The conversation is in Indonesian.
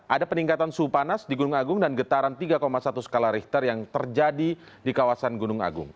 ada peningkatan suhu panas di gunung agung dan getaran tiga satu skala richter yang terjadi di kawasan gunung agung